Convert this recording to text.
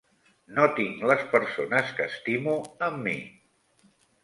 No tinc les persones que estimo amb mi.